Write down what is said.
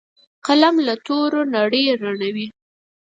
قلم له تورو نړۍ رڼوي